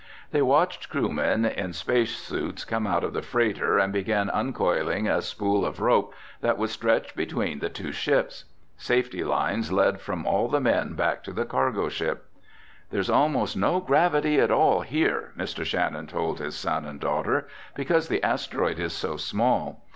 They watched crewmen in space suits come out of the freighter and begin uncoiling a spool of rope that would stretch between the two ships. Safety lines led from all the men back to the cargo ship. "There's almost no gravity at all here," Mr. Shannon told his son and daughter, "because the asteroid is so small.